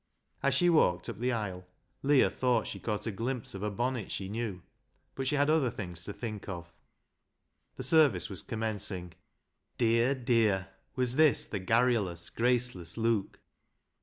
As she walked up the aisle, Leah thought she caught a glimpse of a bonnet she knew, but she had other things to think of. The service was commencing. Dear ! dear ! was this the garrulous, graceless Luke.